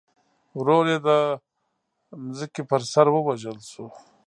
ورور یې د ځمکې پر سر ووژل شو.